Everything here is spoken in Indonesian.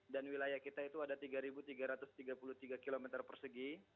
dan wilayah kita itu ada tiga tiga ratus tiga puluh tiga km persegi